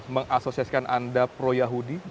mengasosiasikan anda pro yahudi